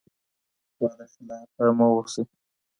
وعده خلاف مه اوسئ.